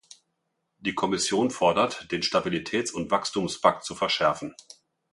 Die Kommission fordert, den Stabilitäts- und Wachstumspakt zu verschärfen.